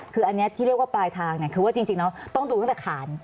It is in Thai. คืออันนี้ที่เรียกว่าปลายทางคือว่าจริงต้องดูตั้งแต่ขาน